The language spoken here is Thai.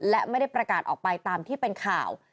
และไม่ได้ประกาศออกไปตามที่เป็นข่าว